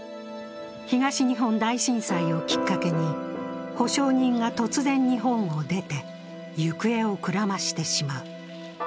東日本大震災をきっかけに保証人が突然、日本を出て行方をくらましてしまう。